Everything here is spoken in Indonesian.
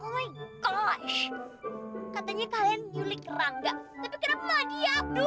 oh my gosh katanya kalian yulik rangga tapi kenapa dia abdul